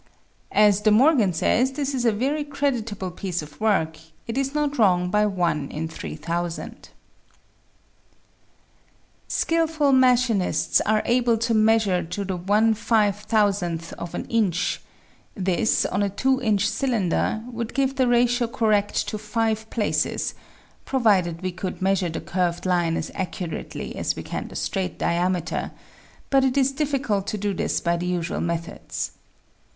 As De Morgan says, this is a very creditable piece of work ; it is not wrong by i in 3000. Skilful machinists are able to measure to the one five thousandth of an inch ; this, on a two inch cylinder, would give the ratio correct to five places, provided we could measure the curved line as accurately as we can the straight diameter, but it is difficult to do this by the usual methods.